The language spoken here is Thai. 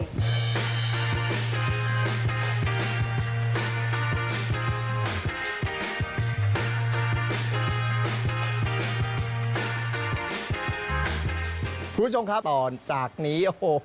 คุณผู้ชมครับตอนจากนี้